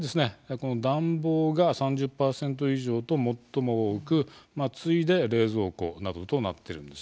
この暖房が３０％以上と最も多くまあ次いで冷蔵庫などとなってるんですね。